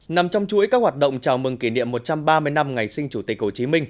nằm trong chuỗi các hoạt động chào mừng kỷ niệm một trăm ba mươi năm ngày sinh chủ tịch hồ chí minh